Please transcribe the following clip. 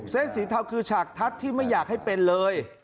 เส้นสีเทาคือฉากทัศน์ที่ไม่อยากให้เป็นเลย